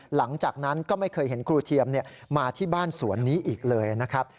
หลังจากนั้นก็ไม่เคยเห็นครูเทียมมาที่บ้านสวนนี้อีกเลยนะครับ